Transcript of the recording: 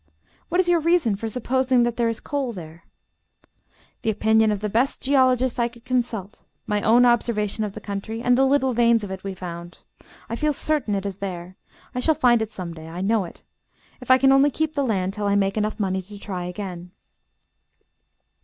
"What is your reason for supposing that there is coal there?" "The opinion of the best geologist I could consult, my own observation of the country, and the little veins of it we found. I feel certain it is there. I shall find it some day. I know it. If I can only keep the land till I make money enough to try again."